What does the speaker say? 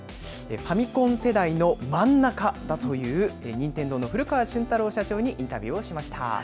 ファミコン世代の真ん中だという任天堂の古川俊太郎社長にインタビューをしました。